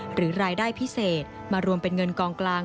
หรือรายได้พิเศษมารวมเป็นเงินกองกลาง